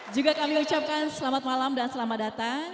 juga kami ucapkan selamat malam dan selamat datang